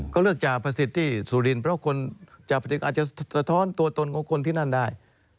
เขาเลือกจาภาษิตที่สุรินทร์เพราะคนจาภาษิตอาจจะสะท้อนตัวตนของคนที่นั่นได้